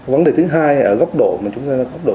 vấn đề thứ hai là góc độ mà chúng ta góc độ